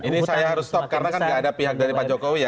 ini saya harus stop karena kan tidak ada pihak dari pak jokowi ya